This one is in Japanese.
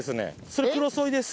それクロソイです。